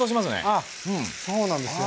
あっそうなんですよね。